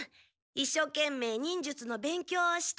いっしょうけんめい忍術の勉強をして。